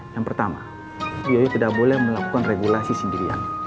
yang pertama bu yoyo tidak boleh melakukan regulasi sendirian